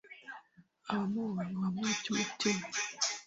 abamuhonga ngo bamuhe ibyo umutima